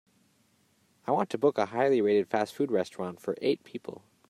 I want to book a highly rated fast food restaurant for eight people.